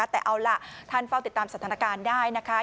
แต่เอาล่ะท่านเฝ้าติดตามสถานการณ์ได้นะคะ